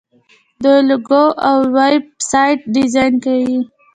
دوی لوګو او ویب سایټ ډیزاین کوي.